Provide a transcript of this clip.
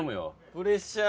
プレッシャー。